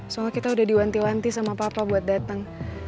soalnya kita udah diwanti wanti sama papa buat datang